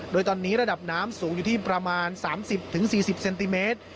โดยตอนนี้ระดับน้ำสูงอยู่ที่ประมาณ๓๐๔๐เซนติเมตร